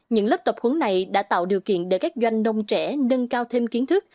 những lớp tập huấn này đã tạo điều kiện để các doanh nông trẻ nâng cao thêm kiến thức